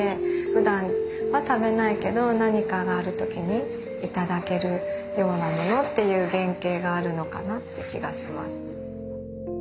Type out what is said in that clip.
ふだんは食べないけど何かがある時にいただけるようなものっていう原型があるのかなって気がします。